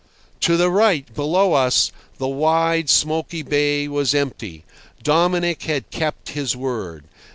To the right, below us, the wide, smoky bay was empty. Dominic had kept his word.